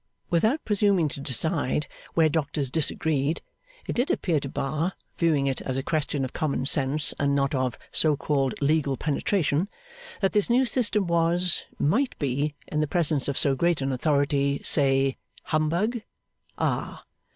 Without presuming to decide where doctors disagreed, it did appear to Bar, viewing it as a question of common sense and not of so called legal penetration, that this new system was might be, in the presence of so great an authority say, Humbug? Ah!